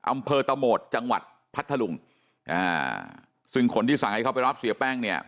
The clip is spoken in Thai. อำเภอตะโหมดจังหวัดพัทธลุงอ่าซึ่งคนที่สั่งให้เขาไปรับเสียแป้งเนี่ย